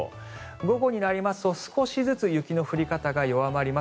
午後になりますと少しずつ雪の降り方が弱まります。